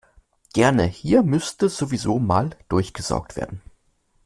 Gerne, hier müsste sowieso mal durchgesaugt werden.